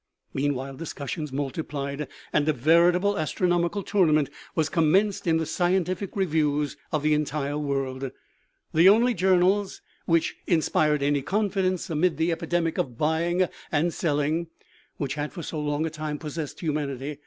Meanwhile, discussions multiplied, and a veritable as tronomical tournament was commenced in the scientific reviews of the entire world the only journals which in OMEGA . spired any confidence amid the epidemic of buying and selling which had for so long a time possessed humanity.